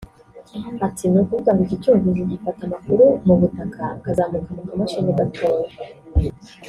Ati “Ni ukuvuga ngo iki cyumvirizo gifata amakuru mu butaka akazamuka mu kamashini gatoya